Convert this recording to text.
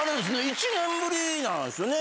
１年ぶりなんすよね